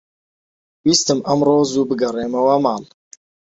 ویستم ئەمڕۆ زوو بگەڕێمەوە ماڵ.